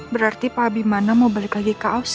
berarti pak abimana mau balik lagi ke aus sih